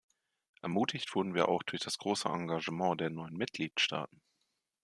Ermutigt wurden wir auch durch das große Engagement der neuen Mitgliedstaaten.